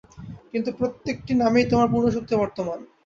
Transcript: কিন্তু প্রত্যেকটি নামেই তোমার পূর্ণশক্তি বর্তমান।